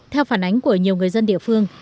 theo phản ánh của nhiều người dân địa phương